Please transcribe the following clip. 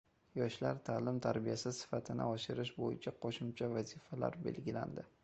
Yoshlar ta’lim-tarbiyasi sifatini oshirish bo‘yicha qo‘shimcha vazifalar belgilandi